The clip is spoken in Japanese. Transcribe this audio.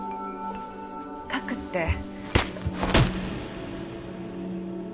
書くって。